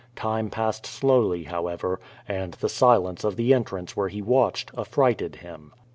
Time passed slowly, however, and the silence of the entrance where he watched, affrighted him.